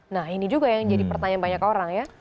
nah ini juga yang jadi pertanyaan banyak orang ya